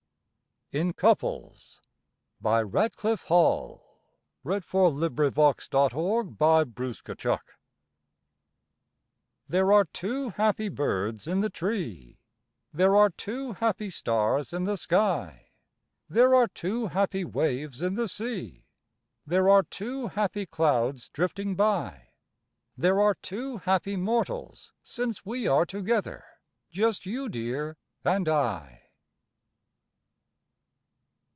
have chosen a breast where my head I can lay, Sweet Mother Earth! IN COUPLES There are two happy birds in the tree, There are two happy stars in the sky, There are two happy waves in the sea, There are two happy clouds drifting by, There are two happy mortals, since we Are together, just you dear, and I.